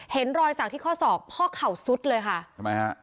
เห็นรอยสักที่ข้อศอกพ่อเข่าซุดเลยค่ะทำไมฮะ